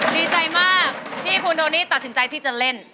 ดีใจมากที่คุณโทนี่ตัดสินใจที่จะเล่น